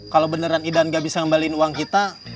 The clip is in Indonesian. kalau beneran idan gak bisa ngembalin uang kita